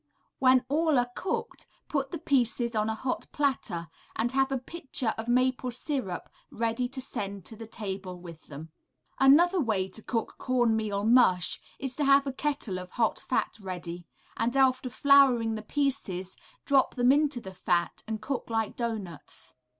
When all are cooked put the pieces on a hot platter, and have a pitcher of maple syrup ready to send to the table with them. Another way to cook corn meal mush is to have a kettle of hot fat ready, and after flouring the pieces drop them into the fat and cook like doughnuts.